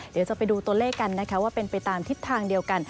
เดี๋ยวจะไปดูตัวเลขกันนะคะว่าเป็นไปตามทิศทางเดียวกัน